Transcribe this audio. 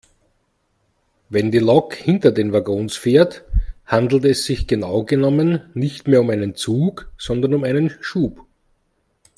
Wenn die Lok hinter den Waggons fährt, handelt es sich genau genommen nicht mehr um einen Zug sondern um einen Schub.